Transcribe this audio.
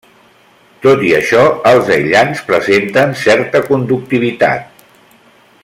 Tot i això, els aïllants presenten certa conductivitat.